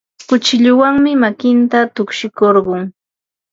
Kuchilluwanmi makinta tukshikurqun.